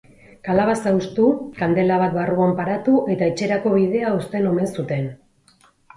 Kalabaza hustu, kandela bat barruan paratu eta etxerako bidean uzten omen zuten.